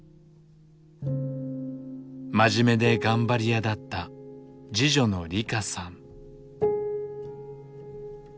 真面目で頑張り屋だった次女の理加さん。